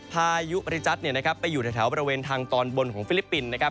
พายุบริจัทไปอยู่ในแถวบริเวณทางตอนบนของฟิลิปปินส์นะครับ